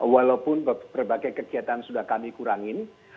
walaupun berbagai kegiatan sudah kami kurangin